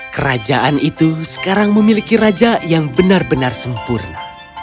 kerajaan itu sekarang memiliki raja yang benar benar sempurna